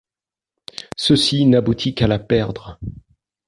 Ceci n’aboutit qu’à la perdre.